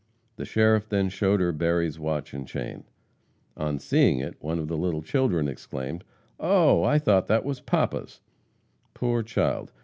The sheriff then showed her Berry's watch and chain. On seeing it, one of the little children exclaimed: "Oh! I thought that was papa's!" Poor child!